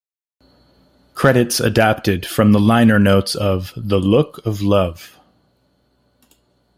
Credits adapted from the liner notes of "The Look of Love".